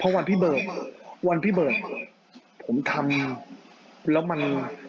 เพราะวันที่เบิกวันพี่เบิร์ดผมทำแล้วมัน